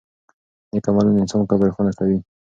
نېک عملونه د انسان قبر روښانه کوي.